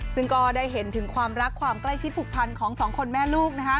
ซึ่งก็ได้เห็นถึงความรักความใกล้ชิดผูกพันของสองคนแม่ลูก